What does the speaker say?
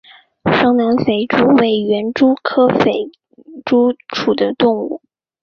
双南肥蛛为园蛛科肥蛛属的动物。